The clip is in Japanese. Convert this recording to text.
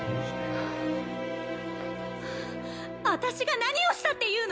はぁ私が何をしたっていうの？